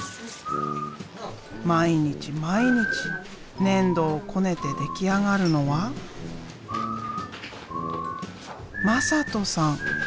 毎日毎日粘土をこねて出来上がるのは「まさとさん」。